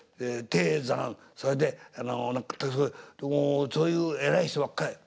それでそういう偉い人ばっかり。